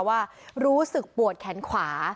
ว่ารู้สึกปวดแขนขวา